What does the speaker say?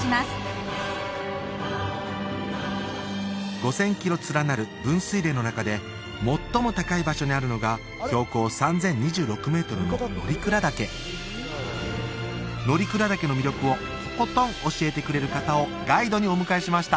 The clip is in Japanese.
５０００キロ連なる分水嶺の中で最も高い場所にあるのが標高３０２６メートルの乗鞍岳乗鞍岳の魅力をとことん教えてくれる方をガイドにお迎えしました